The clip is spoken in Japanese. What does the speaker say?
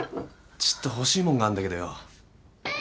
ちょっと欲しいもんがあんだけどよ。